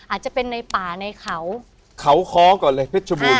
อาจจะเป็นในป่าในเขาเขาค้อก่อนเลยเพชรบูรณ